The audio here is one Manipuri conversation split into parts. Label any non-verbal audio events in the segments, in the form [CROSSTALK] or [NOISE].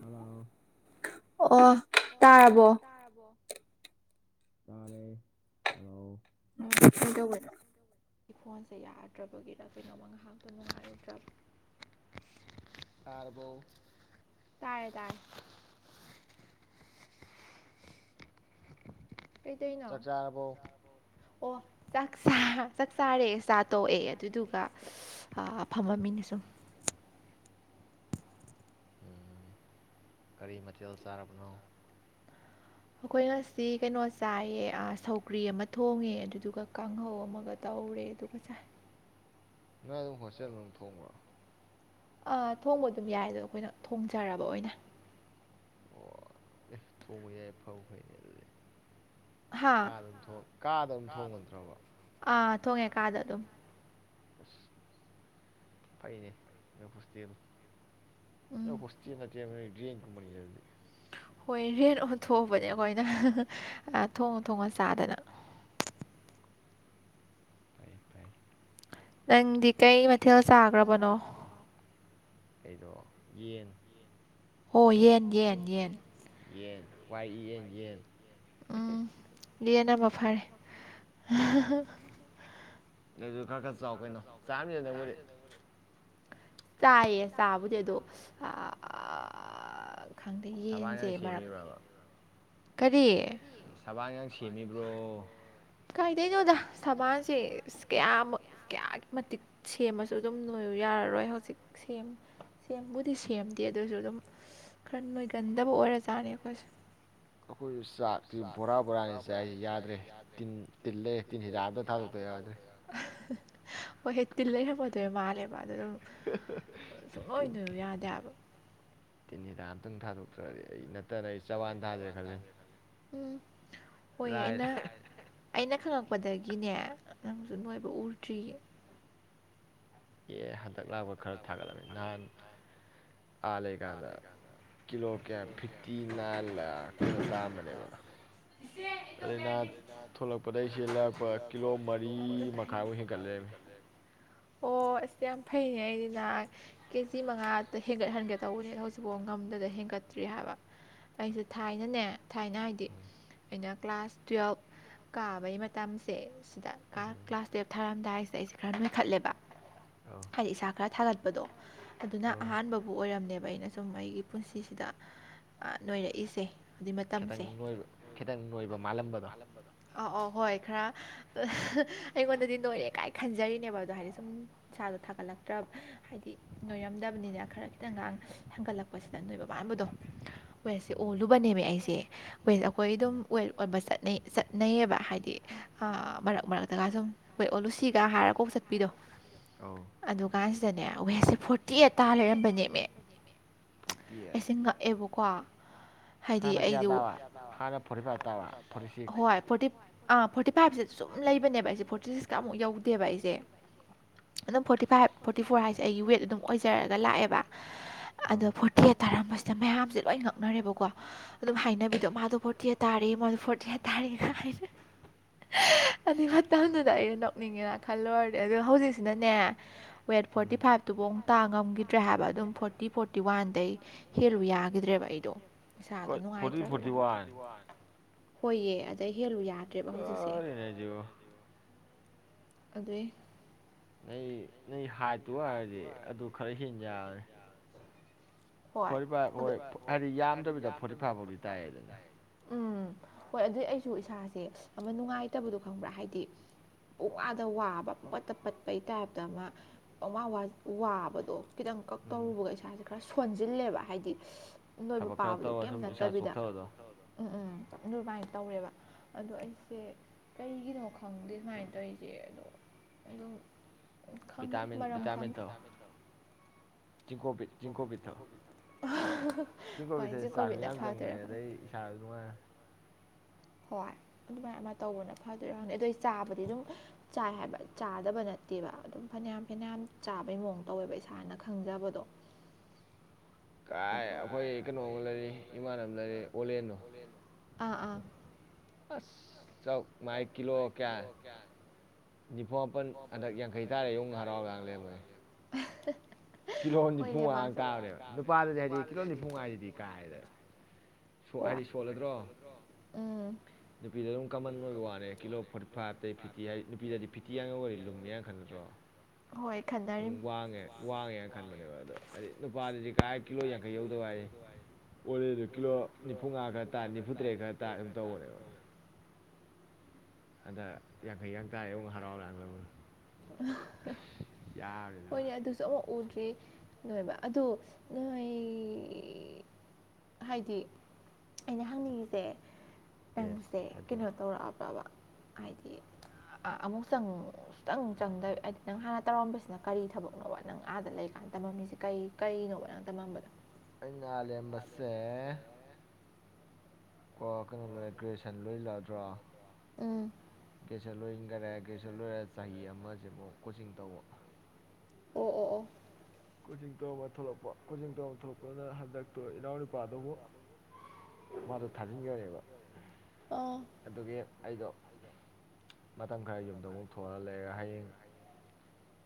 ꯍꯂꯣ ꯑꯣ ꯇꯕꯣ ꯇꯥꯔꯦ ꯍꯜꯂꯣ ꯐ ꯇꯧ ꯐꯣꯟ ꯁꯦ ꯌꯥꯗ꯭ꯔꯕꯒꯤꯔ ꯀꯩꯅꯣꯃ ꯉꯥꯏꯍꯥꯛꯇꯣ ꯅꯨꯡꯉꯥꯏꯔꯨꯗ꯭ꯔꯥ ꯇꯥꯔꯕꯧ ꯇꯥꯔꯦ ꯇꯥꯔꯦ ꯆꯥꯛ ꯆꯥꯔꯕꯧ ꯑꯣ ꯆ ꯆꯥꯛ ꯆꯥꯔꯦ ꯆꯥ ꯇꯣꯛꯑꯦ ꯑꯗꯨꯗꯨꯒ ꯐꯝꯕ ꯃꯤꯅ ꯁꯨꯝ ꯎꯝ ꯀꯔꯤ ꯃꯊꯦꯜ ꯆꯥꯔꯕꯅꯣ ꯑꯩꯈꯣꯏ ꯉꯁꯤ ꯀꯩꯅꯣ ꯆꯥꯏꯑ ꯁꯧꯀ꯭ꯔꯤ ꯑꯃ ꯊꯣꯡꯉꯦ ꯑꯗꯨꯗꯨꯒ ꯀꯥꯡꯍꯧ ꯑꯃ ꯑꯗꯨꯒ ꯇꯧꯔꯦ ꯑꯗꯨꯒ ꯆ ꯅꯪ ꯑꯗꯨꯝ ꯍꯣꯁꯇꯦꯜ ꯑꯗꯨꯝ ꯊꯣꯡꯕ꯭ꯔꯣ ꯑꯥ ꯊꯣꯡꯕ ꯑꯗꯨꯝ ꯌꯥꯏ ꯑꯗꯣ ꯑꯩꯈꯣꯏꯅ ꯊꯣꯡꯖꯔꯕ ꯑꯣꯏꯅ ꯑꯣ ꯑꯦꯁ ꯊꯣꯡꯕ ꯌꯥꯏ ꯐꯕ ꯐꯩꯅꯦ ꯑꯗꯨꯗꯤ ꯀꯥꯗ ꯑꯗꯨꯝ ꯀꯥꯗ ꯑꯗꯨꯝ ꯊꯣꯡꯉꯠꯇ꯭ꯔꯕ ꯑꯥ ꯊꯣꯡꯉꯦ ꯀꯥꯗ ꯑꯗꯨꯝ ꯑ ꯄꯥꯏꯅꯦ ꯍꯣꯁ ꯍꯣꯁ ꯗꯤꯑꯦꯝ ꯀꯄꯅꯤꯤ ꯂꯩꯗꯤ ꯍꯔꯦ ꯊꯣꯛꯎꯕꯅꯦ ꯑꯩꯈꯣꯏ ꯑꯅ ꯊꯣꯡꯉ ꯊꯣꯡꯉ ꯆꯥꯗꯅ ꯇꯥꯏ ꯇꯥꯏ ꯅꯪꯗꯤ ꯀꯩ ꯃꯊꯦꯜ ꯆꯥꯈ꯭ꯔꯕꯅꯣ ꯑꯩꯗꯣ ꯌꯦꯟ ꯑꯣ ꯌꯦꯟ ꯌꯦꯟ ꯌꯦꯟ ꯌꯦꯟ ꯋꯥꯏ ꯌꯦꯟ ꯌꯦꯟ ꯎꯝ ꯌꯦꯅꯥꯕ ꯐꯥꯔꯦ ꯂꯩ ꯑꯗꯨ ꯈꯔ ꯈꯔ ꯆꯥꯎ ꯀꯩꯅꯣ ꯆꯥꯝꯗ ꯅꯪꯉꯗꯤ ꯆꯥꯏꯌꯦ ꯆꯥꯕꯨꯗꯤ ꯑꯗꯣ ꯈꯪꯗꯦ ꯌꯦꯟꯁꯦ ꯃꯔꯛ ꯀꯔꯤ ꯁꯦꯝꯃꯤꯕ꯭ꯔꯣ ꯀꯥꯏꯗꯩꯅꯣꯗ ꯁꯃꯟꯁꯦ ꯀꯌꯥ ꯀꯌꯥ ꯃꯇꯤꯛ ꯁꯦꯝꯃꯁꯨ ꯑꯗꯨꯝ ꯂꯣꯏ ꯌꯥꯔꯔꯣꯏ ꯍꯧꯖꯤꯛ ꯁꯦꯝ ꯁꯦꯝꯕꯨꯗꯤ ꯁꯦꯝꯗꯦ ꯑꯗꯨꯁꯨ ꯑꯗꯨꯝ ꯈꯔ ꯅꯣꯏꯒꯟꯗꯕ ꯑꯣꯏꯔꯖꯥꯠꯅꯤ ꯑꯩꯈꯣꯏꯁꯦ ꯑꯩꯈꯣꯏ ꯆꯥꯛꯇ ꯕꯣꯔꯥ ꯕꯣꯔꯥꯅꯤ ꯆꯥꯏꯁꯤ ꯌꯥꯗ꯭ꯔꯦ ꯇꯤꯟ ꯇꯤꯜꯂꯦ ꯇꯤꯟ ꯍꯤꯗꯥꯛ ꯑꯝꯇ ꯊꯥꯗꯣꯛꯇ ꯌꯥꯗ꯭ꯔꯦ ꯍꯣꯏ ꯍꯦ ꯇꯤꯜ ꯂꯩꯔꯝꯃꯗꯣꯏ ꯃꯥꯜꯂꯦ ꯃꯥꯗꯣ ꯑꯗꯨꯝ ꯁꯨꯡꯣꯏꯗꯣꯏꯁꯨ ꯌꯥꯗꯦꯕ ꯈꯤꯇꯪ ꯊꯥꯗꯣꯛꯇ꯭ꯔꯔꯗꯤ ꯑꯩ ꯎꯝ ꯍꯣꯏ ꯑꯩꯅ ꯑꯩꯅ ꯈ ꯀꯄꯗꯒꯤꯅꯦ ꯅꯪꯁꯨ ꯅꯣꯏꯕ ꯎꯗ꯭ꯔꯤꯌꯦ ꯑꯦ ꯍꯟꯗꯛ ꯂꯥꯛꯄ ꯈꯔ ꯊꯥꯒꯠꯂꯝꯃꯤ ꯅꯍꯥꯟ ꯑ ꯂꯩꯒꯗ ꯀꯤꯂꯣ ꯀꯌꯥ ꯐꯤꯐꯇꯤ ꯅꯥꯏꯟꯂ ꯀꯩꯅꯣ ꯇꯥꯝꯕꯅꯦꯕ ꯑꯗꯩꯅ ꯊꯂꯛꯄꯗꯩꯁꯦ ꯂꯔꯛꯄ ꯀꯤꯂꯣ ꯃꯔꯤ ꯃꯈꯥꯏꯃꯨꯛ ꯍꯦꯟꯒꯠꯂꯦ ꯑꯣ ꯑꯁꯤꯁ ꯌꯥꯝ ꯐꯩꯅꯦ ꯑꯩꯅꯤꯅ ꯀꯦꯖꯤ ꯃꯉꯥ ꯍꯦꯟꯒꯠ ꯍꯟꯒꯠ ꯇꯧꯅꯦ ꯍꯧꯖꯤꯛꯐꯥꯎ ꯉꯝꯗꯗ ꯍꯦꯟꯒꯠꯇ꯭ꯔꯤ ꯍꯥꯏꯕ ꯑꯩꯁꯨꯦ ꯊꯥꯏꯅꯅꯦ ꯊꯥꯏꯅ ꯍꯥꯏꯗꯤ ꯑꯩꯅ ꯀ꯭ꯂꯥꯁ ꯇꯨꯋꯦꯜꯕ ꯀꯥꯕꯒꯤ ꯃꯇꯝꯁꯦ ꯁꯤꯗ ꯀ꯭ꯂꯥꯁ ꯇꯨꯌꯦꯜꯞ ꯊꯥꯔꯝꯗꯥꯏꯁꯦ ꯑꯩꯁꯦ ꯈꯔ ꯃꯨꯈꯠꯂꯦꯕ ꯈꯔ ꯊꯥꯒꯠꯄꯗꯣ ꯑꯗꯨꯅ ꯑꯍꯥꯟꯕꯕꯨ ꯑꯣꯏꯔꯝꯅꯦꯕ ꯑ ꯑꯩꯅ ꯁꯨꯝ ꯑꯩꯒꯤ ꯄꯨꯟꯁꯤꯁꯤꯗ ꯅꯣꯏꯔꯛꯏꯁꯦ ꯈꯤꯇꯪꯣꯏꯕ ꯈꯤꯇꯪ ꯅꯣꯏꯕ ꯃꯥꯜꯂꯝꯕꯗꯣ ꯑꯧ ꯑꯧ ꯍꯣꯏ ꯈꯔ ꯑꯩꯉꯣꯟꯗꯗꯤ ꯅꯣꯏꯔꯦ ꯀꯥꯏ ꯈꯟꯖꯔꯤꯅꯦꯕ ꯑꯗꯣ ꯍꯥꯏꯗꯤ ꯁꯨꯝ ꯏꯁꯗꯣ ꯊꯥꯒꯠꯂꯛꯇ꯭ꯔꯕ ꯍꯥꯏꯗꯤ ꯅꯣꯏꯔꯝꯗꯕꯅꯤꯅ ꯈꯔ ꯈꯤꯇꯪꯒꯥꯡ ꯍꯥꯡꯒꯠꯂꯛꯄꯁꯤꯗ ꯅꯣꯏꯕꯕꯥꯝ ꯗꯣ ꯦꯁ ꯑꯣꯜ ꯂꯨꯕꯅꯦꯕ ꯑꯩꯁꯦ ꯋꯦꯁ ꯑꯩꯈꯣꯏ ꯑꯗꯨꯝ ꯋꯦꯠ ꯑꯣꯏꯕ ꯆꯠꯅꯩ ꯆꯠꯅꯩꯌꯦꯕ ꯍꯥꯏꯗꯤ ꯃꯔꯛ ꯃꯔꯛꯇꯒ ꯁꯨꯝ ꯑꯩꯈꯣꯏ ꯑꯣꯂꯨꯁꯤꯒ ꯍꯥꯏꯔ ꯀꯣꯛ ꯆꯠꯄꯤꯗꯣ ꯑꯗꯨ ꯀꯥꯟꯁꯤꯗꯅꯦ ꯋꯦꯠꯁꯦ ꯐꯣꯔꯇꯤ ꯑꯦꯠꯇꯥꯥ ꯂꯩꯔꯝꯕꯅꯦꯃꯦ ꯑꯩꯁꯦ ꯉꯛꯑꯦꯕꯀꯣ ꯍꯥꯏꯗꯤ ꯑꯩꯗꯨ ꯍꯣꯏ ꯐꯣꯔꯇꯤ ꯑꯥ ꯐꯣꯔꯇꯤ ꯐꯥꯏꯚꯁꯤꯗ ꯁꯨꯝ ꯂꯩꯕꯅꯦꯕ ꯑꯩꯁꯦ ꯐꯣꯔꯇꯤ ꯁꯤꯛꯁꯀ ꯑꯃꯨꯛ ꯌꯧꯗꯦꯕ ꯄ ꯑꯩꯁꯦ ꯑꯗꯨꯝ ꯐꯣꯔꯇꯤ ꯐꯥꯏꯚ ꯐꯣꯔꯇꯤ ꯐꯣꯔ ꯍꯥꯏꯁꯦ ꯑꯩꯒꯤ ꯋꯦꯠ ꯑꯗꯨꯝ ꯑꯣꯏꯖꯔꯒ ꯂꯥꯛꯑꯦꯕ ꯑꯗꯣ ꯐꯣꯔꯇꯤ ꯑꯦꯠ ꯇꯥꯔꯝꯕ ꯁꯤꯗ ꯃꯌꯥꯝꯁꯦ ꯂꯣꯏ ꯉꯛꯅꯔꯦꯕꯀꯣ ꯑꯗꯨꯝ ꯍꯥꯏꯅꯕꯤꯗꯣ ꯃꯥꯗꯣ ꯐꯣꯔꯇꯤ ꯍꯠ ꯇꯥꯔꯦ ꯃꯥꯗꯣ ꯐꯣꯔꯇꯤ ꯍꯠ ꯇꯥꯔ ꯑꯗꯨꯏ ꯃꯇꯝꯗꯨꯗ ꯑꯩꯅ ꯅꯣꯛꯅꯤꯡꯉꯦꯅ ꯈꯜꯂꯔꯗꯤ ꯑꯗꯨꯣ ꯍꯧꯖꯤꯛꯁꯤꯅ [INAUDIBLE] ꯋꯦꯠ ꯐꯣꯔꯇꯤ ꯐꯥꯏꯚꯇꯨꯐꯥꯎꯨꯛ ꯇꯥ ꯉꯝꯈꯤꯗ꯭ꯔꯦ ꯍꯥꯏꯕ ꯑꯗꯨꯝ ꯐꯣꯔꯇꯤ ꯐꯣꯔꯇꯤ ꯋꯥꯟꯗꯩ ꯍꯦꯜꯂꯨ ꯌꯥꯈꯤꯗ꯭ꯔꯦꯕ ꯑꯩꯗꯣ ꯏꯁꯥꯗꯣ ꯅꯨꯡꯉꯥꯏꯇ꯭ꯔ ꯍꯣꯏꯌꯦ ꯑꯗꯩ ꯍꯦꯜꯂꯨ ꯌꯥꯗ꯭ꯔꯦꯕ ꯍꯧꯖꯤꯛꯁꯦ ꯑꯗꯨꯗ ꯅꯣꯏ ꯅꯣꯏ ꯍꯥꯏꯠꯇꯨ ꯑꯣꯏꯔꯗꯤ ꯑꯗꯨ ꯈꯔ ꯍꯦꯟꯖꯔꯔꯦ ꯐꯣꯔꯇꯤ ꯐꯥꯏꯚ ꯍꯣꯏ ꯍꯥꯏꯗꯤ ꯌꯥꯝꯗꯕꯤꯗ ꯐꯣꯔꯇꯤ ꯐꯥꯏꯚ ꯐꯥꯎꯗꯤ ꯇꯥ ꯌꯥꯏꯗꯅ ꯎꯨꯝ ꯍꯣꯏ ꯑꯗꯨꯏ ꯑꯩꯁꯨ ꯏꯁꯥꯁꯦ ꯑꯃ ꯅꯨꯡꯉꯥꯏꯇꯕꯗꯣ ꯈꯪꯕ꯭ꯔꯥ ꯍꯥꯏꯗꯤ ꯎ ꯋꯥꯗ ꯋꯥꯕ ꯄꯣꯠꯇ ꯄꯠꯄꯩ ꯇꯥꯏꯞꯇ ꯑꯃ ꯑꯋꯥ ꯋꯥꯕꯗꯣ ꯈꯤꯇꯪ ꯀꯛ ꯇꯧꯔꯨꯕꯒ ꯏꯁꯥꯁꯦ ꯈꯔ ꯁꯣꯟꯁꯤꯜꯂꯦꯕ ꯍꯥꯏꯗꯤ ꯅꯣꯏꯕ ꯄꯥꯕꯗꯣ ꯀꯩꯝ ꯅꯠꯇꯕꯤꯗ ꯎꯨꯝ ꯎꯨꯝ ꯞ ꯑꯗꯨꯃꯥꯏꯅ ꯇꯧꯔꯦꯕ ꯑꯗꯣ ꯑꯩꯁꯦ ꯀꯩꯒꯤꯅꯣ ꯈꯪꯗꯦ ꯁꯨꯃꯥꯏꯅ ꯇꯧꯔꯤꯁꯦ ꯑꯗꯣ ꯑꯩꯝ ꯈꯪꯗꯦ ꯚꯇꯥꯃꯤꯟ ꯊꯛꯎꯨ ꯆꯤꯡꯀꯣꯄꯤ ꯆꯤꯡꯀꯣꯕꯤꯠ ꯊꯛꯎꯨ ꯑꯍ ꯍ ꯆꯤꯡꯀꯣꯕꯤꯁꯦ ꯆꯥꯛꯁꯨ ꯌꯥꯝ ꯆꯪꯕꯅꯦ ꯑꯗꯩ ꯏꯁꯥ ꯅꯨꯡ ꯍꯣꯏ ꯑꯗꯨꯃꯥꯏꯅ ꯑꯃ ꯇꯧꯕꯅ ꯐꯗꯣꯏꯔꯅꯤ ꯑꯗꯨꯩ ꯆꯥꯕꯗꯤ ꯑꯗꯨꯝ ꯆꯥꯏ ꯍꯥꯏꯕ ꯆꯥꯗꯕ ꯅꯠ ꯅꯠꯇꯦꯕ ꯑꯗꯨꯝ ꯐꯅꯌꯥꯝ ꯐꯅꯌꯥꯝ ꯆꯥꯕꯩ ꯃꯑꯣꯡ ꯇꯧꯋꯦꯕ ꯏꯁꯥꯅ ꯈꯪꯖꯕꯗꯣ ꯀꯥꯏ ꯑꯩꯈꯣꯏ ꯀꯩꯅꯣꯝ ꯂꯩꯔꯤ ꯏꯃꯥꯟ ꯑꯃ ꯂꯩꯔꯤ ꯑꯣꯂꯦꯟꯗꯨ ꯑꯥ ꯑꯥ ꯑꯁ ꯆꯧ ꯃꯥꯏ ꯀꯂꯣ ꯀꯌꯥ ꯅꯤꯐꯨ ꯃꯥꯄꯟ ꯍꯟꯗꯛ ꯌꯥꯡꯈꯩ ꯇꯥꯔꯦ ꯌꯣꯡ ꯍꯔꯥꯎꯔꯒ ꯂꯩꯔꯝꯕꯅꯤ ꯑꯍ ꯍ ꯀꯤꯂꯍꯣꯟ ꯅꯤꯐꯨꯃꯉꯥꯒ ꯇꯥꯕꯅꯦꯕ ꯅꯨꯄꯥꯗꯨꯗꯤ ꯍꯥꯏꯗꯤ ꯀꯤꯂꯍꯜ ꯅꯤꯐꯨ ꯃꯉꯥꯁꯤꯗꯤ ꯀꯥꯏꯗ ꯍꯥꯏꯗꯤ ꯁꯣꯜꯂꯗ꯭ꯔꯣ ꯅꯄꯤꯗꯗꯨꯝ ꯀꯃꯟ ꯑꯣꯏꯕ ꯋꯥꯅꯤ ꯀꯤꯂꯣ ꯐꯣꯔꯇꯤ ꯐꯥꯏꯚꯇꯩ ꯐꯤꯐꯇꯤ ꯍꯥꯏ ꯅꯨꯄꯤꯗꯗꯤ ꯐꯤꯐꯇꯤ ꯌꯧꯒ꯭ꯔꯗꯤ ꯂꯨꯝꯃꯦ ꯌꯥꯅ ꯈꯜ ꯅꯠꯇ꯭ꯔꯣ ꯁꯨꯝ ꯋꯥꯡꯉꯦ ꯋꯥꯡꯉꯦꯅ ꯈꯟꯕꯅꯦꯕ ꯑꯗꯣ ꯍꯥꯏꯗꯤ ꯅꯨꯄꯥꯗꯨꯗꯤ ꯀꯥꯏ ꯀꯤꯂꯣ ꯌꯥꯡꯈꯩ ꯌꯧꯗ ꯍꯥꯏ ꯑꯣꯔꯦꯗꯣ ꯀꯤꯂꯣ ꯅꯤꯐꯨꯃꯉꯥ ꯈꯔ ꯇꯥ ꯅꯤꯐꯨ ꯇꯔꯦꯠ ꯈꯔ ꯇꯥꯔ ꯑꯗꯨꯝ ꯇꯧꯕꯅꯦꯕ ꯑꯗ ꯌꯥꯡꯈꯩ ꯌꯥꯡꯇꯥꯏ ꯑꯨꯛ ꯍꯔꯥꯎꯗꯒꯥꯡ ꯇꯧꯒꯤꯕꯅꯤ ꯍꯣꯏꯅꯦ ꯑꯗꯨꯁꯨ ꯑꯃꯨꯛ ꯎꯗ꯭ꯔꯤ ꯅꯣꯏꯕ ꯑꯗꯣ ꯅꯣꯏ ꯍꯥꯏꯗꯤ ꯑꯩꯅ ꯍꯪꯅꯤꯡꯉꯤꯁꯦ ꯅꯪꯁꯦ ꯀꯩꯅꯣ ꯇꯧꯔꯛꯑꯕ꯭ꯔꯕ ꯍꯥꯏꯗꯤ ꯑꯃꯨꯛ ꯆꯪ ꯁꯨꯆꯪ ꯆꯪꯗꯕ ꯍꯥꯏꯗꯤ ꯅꯪ ꯍꯥꯟꯅ ꯇꯧꯔꯝꯕꯁꯤꯅ ꯀꯔꯤ ꯊꯕꯛꯅꯣꯕ ꯅꯪ ꯑꯥꯗ ꯂꯩꯔ ꯅ ꯇꯝꯃꯝꯃꯤꯁꯦ ꯀꯩ ꯀꯩꯅꯣꯕ ꯅꯪ ꯇꯝꯃꯝꯕꯗꯣ ꯑꯩꯅꯥ ꯑꯥ ꯂꯩꯔꯝꯕꯁꯦ ꯀꯣ ꯀꯩꯅꯣ ꯂꯣꯏꯔꯦ ꯒ꯭ꯔꯦꯖꯨꯁꯟ ꯂꯣꯏꯖꯤꯜꯂꯛꯑꯗ꯭ꯔꯣ ꯒ꯭ꯔꯦꯖꯨꯑꯟ ꯂꯣꯏ ꯔꯦ ꯒ꯭ꯔꯦꯖꯁꯟ ꯂꯣꯏꯔꯦ ꯆꯍꯤ ꯑꯃꯁꯤꯃꯨꯛ ꯀꯣꯆꯤꯡ ꯇꯧꯕ ꯑꯣ ꯑꯣ ꯑꯣ ꯀꯣꯆꯤꯡ ꯇꯧꯔꯝꯕ ꯊꯣꯛꯂꯛꯄ ꯀꯣꯆꯤꯡ ꯇꯧꯔ ꯑꯃ ꯊꯣꯛꯂꯛꯄꯗꯨꯅ ꯍꯟꯗꯛꯇꯨ ꯏꯅꯥꯎ ꯅꯨꯄꯥꯗꯨ ꯃꯨꯛ ꯃꯥꯗꯣ ꯊꯥꯖꯤꯟꯈꯔꯦꯕ ꯑꯗꯨꯒꯤ ꯑꯩꯗꯣ ꯃꯇꯝ ꯈꯔ ꯌꯨꯝꯗ ꯑꯃꯨꯛ ꯊꯣꯛꯑꯒ ꯂꯩꯔꯦ ꯍꯌꯦꯡ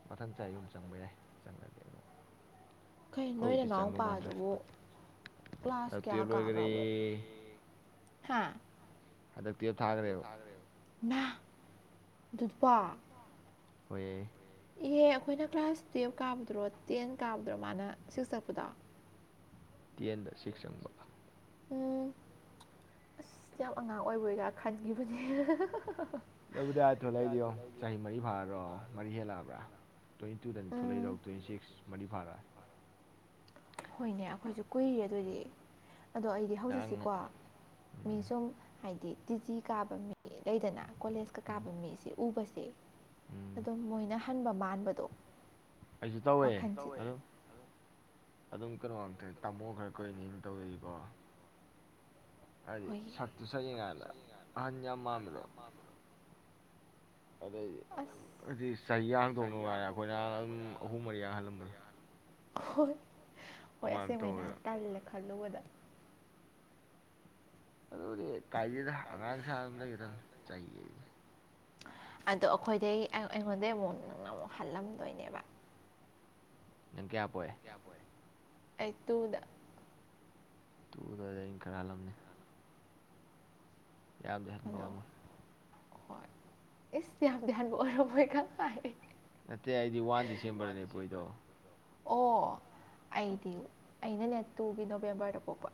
ꯃꯊꯪ ꯆꯍꯤ ꯑꯌꯨꯝ ꯆꯪꯕ ꯌꯥꯏ ꯆꯪꯉꯗꯤ ꯑꯃꯨꯛ ꯈꯩ ꯅꯣꯏ ꯅꯅꯥꯎꯄꯥꯥ ꯑꯗꯨꯕꯨ ꯀ꯭ꯂꯥꯁ ꯀꯌꯥ ꯀꯥꯒ꯭ꯔꯃꯣ ꯍꯟꯗꯛꯇꯤ ꯇꯨꯌꯦꯜꯄ ꯊꯥꯈ꯭ꯔꯦꯕ ꯏꯃꯥ ꯑꯗꯨꯗꯨꯄꯣ ꯍꯣꯏꯌꯦ ꯏꯍꯦ ꯑꯩꯈꯣꯏꯅ ꯀ꯭ꯂꯥꯁ ꯇꯨꯌꯦꯜꯞ ꯀꯥꯕꯗꯨꯔꯣ ꯇꯦꯟ ꯀꯥꯕꯗꯔꯣ ꯃꯥꯅ ꯁꯤꯛꯁ ꯆꯠꯄꯗꯣ ꯇꯦꯟꯗ ꯁꯤꯛꯁ ꯆꯪꯕ ꯎꯝ ꯑꯁ ꯌꯥꯝ ꯑꯉꯥꯡ ꯑꯣꯏꯕꯣꯏꯒ ꯈꯟꯈꯤꯕꯅꯦ ꯍ ꯍ ꯍ ꯑꯗꯨꯕꯨꯗꯤ ꯊꯣꯛꯂꯛꯏꯗꯨ ꯌꯣ ꯆꯍꯤ ꯃꯔꯤ ꯐꯥꯔꯣ ꯃꯔꯤ ꯍꯦꯜꯂꯛꯑꯕ꯭ꯔꯥ ꯇ꯭ꯋꯦꯟꯇꯤ ꯇꯨꯗꯅꯤ ꯊꯣꯛꯂꯛꯏꯗꯧ ꯇ꯭ꯋꯦꯟꯇ ꯁꯤꯛꯁ ꯃꯔꯤ ꯐꯥꯔꯦ ꯍꯣꯏꯅꯦ ꯑꯩꯈꯣꯏꯁꯨ ꯀꯨꯏꯔꯦ ꯑꯗꯨꯏꯗꯤ ꯑꯗꯣ ꯑꯩꯗꯤ ꯍꯧꯖꯤꯛꯁꯤꯀꯣ ꯃꯤ ꯁꯨꯝ ꯍꯥꯏꯗꯤ ꯗꯤꯖꯤ ꯀꯥꯕ ꯃꯤ ꯂꯩꯗꯅ ꯀꯣꯂꯦꯖꯀ ꯀꯥꯕ ꯃꯤꯁꯦ ꯎꯕꯁꯦ ꯑꯗꯨꯝ ꯃꯣꯏꯅ ꯍꯟꯕ ꯃꯥꯟꯕꯗꯣ ꯑꯩꯁꯨ ꯇꯧꯋꯦ ꯑꯗꯨꯝ ꯑꯗꯨꯝ ꯀꯩꯅꯣ ꯉꯥꯛꯇ ꯇꯥꯃꯣ ꯈꯔ ꯀꯨꯏꯅꯦꯅ ꯇꯧꯗꯔꯤꯀꯣ ꯍꯥꯏꯗꯤ ꯁꯛꯇꯨ ꯁꯛꯏ ꯀꯗ ꯑꯍꯟ ꯌꯥꯝ ꯃꯃꯤꯗꯣ ꯑꯗꯩꯗꯤ ꯍꯥꯏꯗꯤ ꯆꯍꯤ ꯌꯥꯡꯗꯧꯅ ꯋꯥꯔꯦ ꯑꯩꯈꯣꯏꯅ ꯑꯗꯨꯝ ꯑꯍꯨꯝ ꯃꯔꯤ ꯌꯥꯡꯍꯜꯂꯝꯕꯗꯣ ꯍꯣꯏ ꯍꯣꯏ ꯑꯁꯦꯡꯕꯅ ꯇꯜꯂꯦ ꯈꯜꯂꯨꯕꯗ ꯑꯗꯨꯗꯤ ꯀꯥꯏꯗꯦꯗ ꯑꯉꯥꯡ ꯁꯥ ꯑꯗꯨꯝ ꯂꯩ ꯈꯤꯇꯪ ꯆꯌꯦꯗꯤ ꯑꯗꯣ ꯑꯩꯈꯣꯏꯗꯩ ꯑꯩꯉꯣꯟꯗꯒꯤꯩ ꯑꯃꯨꯛ ꯅꯪꯅ ꯑꯃꯨꯛ ꯍꯜꯂꯝꯗꯣꯏꯅꯦꯕ ꯅꯪ ꯀꯌꯥ ꯄꯣꯛꯑꯦ ꯑꯩꯠꯇꯗ ꯇꯨꯗꯗ ꯑꯩꯅ ꯈꯔꯍꯜꯂꯝꯅꯤ ꯌꯥꯗꯦ ꯍꯕꯔꯃꯣ ꯍꯣꯏ ꯑꯦꯁ ꯍꯌꯥꯝ ꯗꯤꯍꯟꯕꯨ ꯑꯣꯏꯔꯝꯣꯏ ꯅꯠꯇꯦ ꯑꯩꯗꯤ ꯋꯥꯟ ꯗꯤꯁꯦꯝꯕꯔꯅꯦꯕꯣꯏꯗꯣ ꯑꯣ ꯑꯩꯗꯤ ꯑꯩꯅꯅꯦ ꯇꯨꯒꯤ ꯅꯣꯕꯦꯝꯕꯔꯗ ꯄꯣꯛꯄ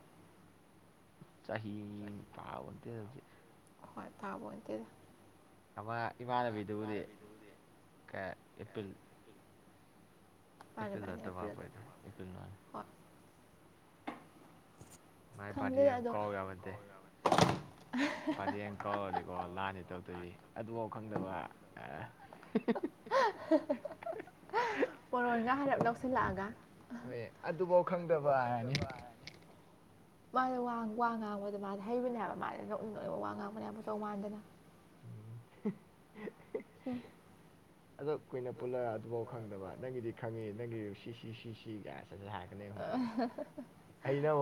ꯆꯍꯤ ꯄꯥꯕꯗ ꯍꯧꯖꯤ ꯍꯣꯏ ꯊꯥꯕ ꯅꯠꯇꯦꯗ ꯑ ꯏꯃꯥꯟꯅꯕꯤꯗꯨꯕꯨꯗꯤ ꯀ ꯏꯄꯤꯜ ꯑꯦꯄꯤꯜ ꯂꯠꯇꯕꯥꯕ ꯑꯣꯏꯗꯦꯜ ꯃꯥꯏ ꯗꯤ ꯑꯪꯀꯥꯎ ꯑꯕꯗ ꯐꯔꯦꯡ ꯀꯧꯔꯗꯤꯀꯣ ꯂꯥꯟꯅꯤ ꯇꯧꯗꯣꯏꯗꯤ ꯑꯗꯨꯐꯥꯎ ꯈꯪꯗꯕ [UNINTELLIGIBLE] [INAUDIBLE] ꯄꯣꯔꯣꯟꯒ ꯍꯥꯏꯔꯞ ꯂꯧꯧꯁꯤꯜꯂꯛꯑꯒ ꯍꯣꯏ ꯑꯗꯨꯐꯧ ꯈꯪꯗꯕ ꯍꯥꯏꯔꯅꯤ ꯃꯥꯁ ꯋꯥ ꯉꯥꯡꯕꯗ ꯃꯥꯁ ꯍꯩꯕꯅꯦ ꯍꯥꯏꯕ ꯃꯥꯁ ꯅ ꯎ ꯅꯣꯏꯕ ꯋꯥ ꯉꯥꯡꯕꯅꯦ ꯌꯥꯝ ꯃꯇ ꯃꯇꯧ ꯃꯥꯟꯗꯅ [UNINTELLIGIBLE] [INAUDIBLE] ꯑꯗꯣ ꯀꯨꯏꯅ ꯄꯨꯜꯂ ꯑꯗꯨꯐꯥꯎ ꯈꯪꯗꯕ ꯅꯪꯒꯤꯗꯤ ꯈꯪꯉꯤ ꯅꯪꯒꯤ ꯁꯤꯁꯤ ꯁꯤꯁꯤꯒ ꯑ [UNINTELLIGIBLE] [INAUDIBLE] ꯑꯩꯅꯣ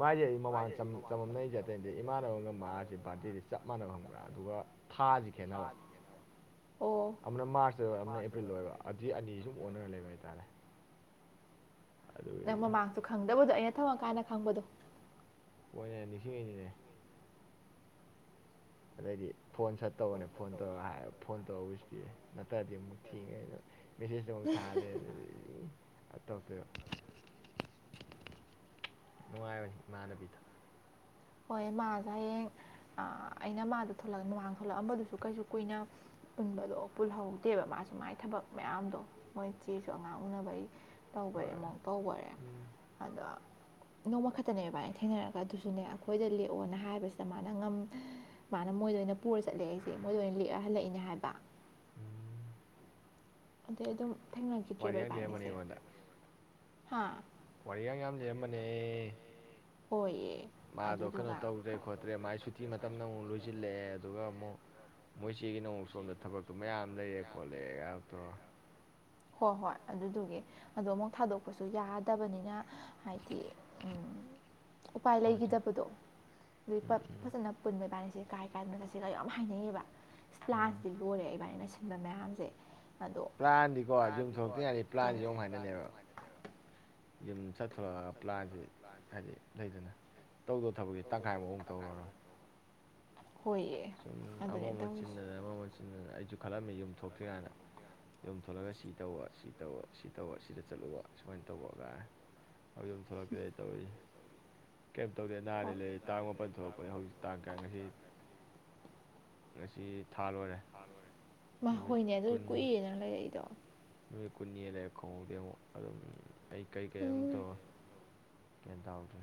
ꯃꯥꯏꯁꯦ ꯑꯩ ꯃꯃꯥꯡ ꯆꯃꯝꯅꯔꯤꯁꯦꯠꯇꯅꯗꯤ ꯏꯃꯥꯟꯅꯕꯒ ꯃꯥꯁꯤꯦ ꯕꯥꯔꯗꯦꯗꯤꯦꯞ ꯃꯥꯟꯅꯕ ꯐꯪꯕ꯭ꯔꯥ ꯑꯗꯨꯒ ꯊꯥꯁꯤ ꯈꯦꯅꯕ ꯑꯃꯅ ꯃꯥꯔꯆ ꯑꯣꯏ ꯑꯃꯅ ꯑꯦꯄ꯭ꯔꯤꯜ ꯑꯣꯏꯕ ꯑꯗꯨꯏ ꯑꯅꯤ ꯁꯨꯝ ꯑꯣꯟꯅꯔ ꯂꯩꯕ ꯍꯥꯏꯇꯥꯔꯦ ꯅꯪ ꯃꯃꯥꯡꯁꯨ ꯈꯪꯗꯕꯗꯣ ꯑꯩꯅ ꯊꯝꯃꯀꯥꯟꯗ ꯈꯪꯕꯗꯣ ꯍꯅꯦ ꯅꯤꯡꯁꯤꯡꯉꯅꯤꯅꯦ ꯑꯗꯩꯗꯤ ꯐꯣꯟ ꯁꯠꯇꯧꯕꯅꯦ ꯐꯣꯟ ꯇꯧꯔꯒ ꯍꯥꯏ ꯐꯣꯟ ꯇꯁ ꯄꯤꯔ ꯅꯠꯇ꯭ꯔꯗꯤ ꯑꯃꯨꯛ ꯊꯦꯡꯉꯦ ꯑꯩꯅ ꯃꯦꯁꯦꯖꯇꯣ ꯑꯃꯨꯛ ꯊꯥꯜꯂꯦ ꯑꯗꯨꯗꯤ ꯇꯧꯗꯌꯣ ꯅꯨꯡꯉꯥꯏꯕꯅꯤ ꯏꯃꯥꯟꯅꯕꯤꯗ ꯍꯣꯏ ꯃꯥꯁꯌꯦꯡ ꯑꯩꯅ ꯃꯥꯗꯣꯂ ꯅꯣꯍꯥꯡ ꯊꯣꯛꯂꯛꯑꯝꯕꯗꯨꯁꯨ ꯀꯩꯁꯨ ꯀꯨꯏꯅ ꯄꯨꯟꯕꯗꯣ ꯄꯨꯜꯍꯧꯗꯦꯕ ꯃꯥ ꯑꯁꯨꯃꯥꯏ ꯊꯕꯛ ꯃꯌꯥꯝꯗꯣ ꯃꯣꯏ ꯆꯦꯁꯨ ꯑꯉꯥꯡ ꯎꯅꯕ ꯑꯩ ꯇꯧꯕꯃꯨ ꯇꯧꯕꯣꯔꯦ ꯑꯗꯣ ꯅꯣꯡꯃ ꯈꯛꯇꯅꯦꯕ ꯕꯥꯥꯏꯩꯅ ꯊꯦꯡꯅꯔꯒ ꯑꯗꯨꯁꯨꯅꯦ ꯑꯩꯈꯣꯏꯗ ꯂꯦꯛꯑꯣꯅ ꯍꯥꯏꯕꯁꯤꯗ ꯃꯥꯅ ꯉꯝ ꯃꯥꯅ ꯃꯣꯏꯗ ꯑꯣꯏꯅ ꯄꯨꯔ ꯆꯠꯂꯛ ꯑꯩꯁꯦ ꯃꯣꯏꯗ ꯑꯣꯏꯅ ꯂꯤꯛꯑ ꯍꯜꯂꯛꯏꯅꯦ ꯍꯥꯏꯕ ꯎꯝ ꯑꯗꯩ ꯑꯗꯨꯝ ꯊꯦꯡꯅꯈꯤꯗ꯭ꯔꯦꯕ ꯏꯕꯥꯅꯤꯁꯦ ꯍꯥ ꯋꯥꯔꯤꯒ ꯌꯥꯝꯁ ꯑꯃꯅꯦ ꯍꯣꯏꯌꯦ ꯃꯥꯗꯣ ꯀꯩꯅꯣ ꯇꯧꯗ꯭ꯔꯦ ꯈꯣꯠꯇ꯭ꯔꯦ ꯃꯥꯥꯏ ꯁꯨꯇꯤ ꯃꯇꯝꯗ ꯑꯃꯨꯛ ꯂꯣꯏꯁꯤꯜꯂꯛꯑꯦ ꯑꯗꯨꯒ ꯑꯃꯨꯛ ꯃꯣꯏ ꯆꯦꯒꯤ ꯅꯣꯡꯃ ꯁꯣꯝꯗ ꯊꯕꯛꯇꯨ ꯃꯌꯥꯝ ꯂꯩꯔꯦ ꯈꯣꯠꯂꯑꯦ ꯉꯥꯛꯇꯣ ꯍꯣꯏ ꯍꯣꯏ ꯑꯗꯨꯗꯨꯒꯤ ꯑꯗꯣ ꯑꯃꯨꯛ ꯊꯥꯗꯣꯛꯄꯁꯨ ꯌꯥꯗꯕꯅꯤꯅ ꯍꯥꯏꯗꯤ ꯎꯄꯥꯏ ꯂꯩꯈꯤꯗꯕꯗꯣ ꯑꯗꯨ ꯐꯖꯅ ꯄꯨꯟꯕꯩꯕꯥꯅꯤ ꯁꯤꯦ ꯀꯥꯏ ꯀꯥꯏꯗꯅ ꯉ ꯁꯤꯒ ꯌꯥꯝ ꯍꯥꯏꯅꯩꯑꯦꯕ ꯏꯁ꯭ꯂꯥꯟꯁꯤꯗꯤ ꯂꯣꯏꯔꯦ ꯏꯕꯥꯩꯅ ꯁꯤꯟꯕ ꯃꯌꯥꯝꯁꯦ ꯄ꯭ꯂꯥꯟꯅꯤ ꯄ꯭ꯂꯥꯥꯟ ꯀꯣ ꯑꯗꯨ ꯄ꯭ꯂꯥꯥꯟ ꯌꯨꯝ ꯆꯠꯊꯣꯔꯛꯑꯒ ꯄ꯭ꯂꯥꯟꯁꯤ ꯍꯥꯏꯗꯤ ꯂꯩꯗꯅ ꯇꯧꯗꯣ ꯊꯕꯛꯒꯤ ꯇꯪꯈꯥꯏꯃꯨꯛꯨꯝ ꯇꯧꯔꯔꯣꯏ ꯁꯨꯝ ꯑꯃ ꯑꯃ ꯆꯤꯟꯅꯗꯅ ꯑꯃꯃ ꯑꯃ ꯆꯤꯟꯅꯗꯅ ꯑꯩꯁꯨ ꯈꯜꯂꯝꯃꯦ ꯌꯨꯝ ꯊꯣꯛꯇ꯭ꯔꯤ ꯀꯥꯟꯗ ꯌꯨꯝ ꯊ ꯊꯣꯛꯂꯒ ꯁꯤ ꯇꯧꯕ ꯁꯤ ꯇꯧ ꯁꯤ ꯇꯧꯕ ꯁꯤꯗ ꯆꯠꯂꯨꯕ ꯁꯨꯃꯥꯏꯅ ꯇꯧꯕꯔꯒꯥꯏ ꯍꯧꯝ ꯊꯂ ꯀꯗꯥꯏ ꯇꯧ ꯑꯣꯏꯣꯏꯁ ꯀꯩꯞ ꯇꯧꯗꯦ ꯑꯅꯥꯔ ꯂꯩꯔ ꯇꯥꯡ ꯃꯥꯄꯟ ꯊꯣꯛꯂꯛꯄꯅꯦ ꯍꯧꯖꯤꯛ ꯇꯥꯡ ꯇꯔꯥ ꯉꯁꯤ ꯉꯁꯤ ꯊꯥ ꯂꯣꯏꯔꯦ ꯅꯨꯃꯤꯠ ꯀꯨꯟꯅꯤ ꯅꯨ ꯀꯨꯟꯅꯤ ꯂꯩꯦ ꯈꯣꯡꯎꯞꯗ ꯑꯃꯨꯛ ꯑꯗꯨꯝ ꯑꯩ ꯀꯩꯀꯩ ꯑꯗꯨꯝ ꯇꯧꯔꯣ ꯀꯗꯎꯔ꯭ꯔꯦ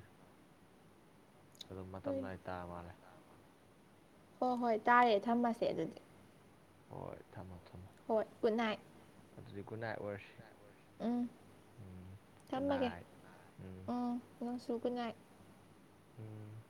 ꯑꯗꯨꯝ ꯃꯇꯝ ꯅꯨꯡꯅꯥꯉꯥꯏ ꯇꯥ ꯃꯥꯜꯂꯦ ꯍꯣꯏ ꯍꯣꯏ ꯇꯥꯔꯦ ꯊꯝꯃꯁꯦ ꯑꯗꯨꯗꯤ ꯍꯣꯏ ꯊꯝꯃꯣ ꯊꯝꯃꯣ ꯍꯣꯏ ꯄꯨꯟꯅ ꯑꯗꯨꯗꯤ ꯈꯨꯟꯅꯥꯏ ꯑꯣꯏꯔꯁꯤ ꯎꯝ ꯊꯃꯒꯦ ꯎꯝ ꯁꯨꯒ ꯉꯏ ꯎꯝ